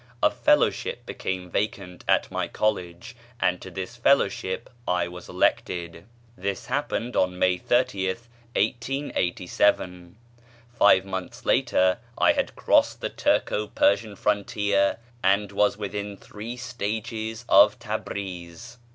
A fellowship became vacant at my college, and to this fellowship I was elected. This happened on May 30th, 1887. Five months later I had crossed the Turco Persian frontier and was within three stages of Tabríz.